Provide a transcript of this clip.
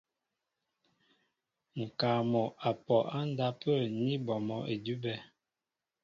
Ŋ̀kaa mɔ' a pɔ á ndápə̂ ní bɔ mɔ́ idʉ́bɛ̄.